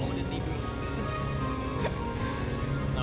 nggak ada uang nggak ada uang